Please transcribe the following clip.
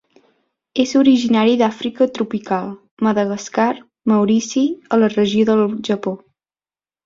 És originari d'Àfrica tropical, Madagascar, Maurici, a la regió del Japó.